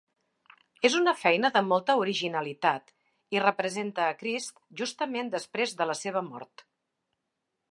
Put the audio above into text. És una feina de molta originalitat, i representa a Crist justament després de la seva mort.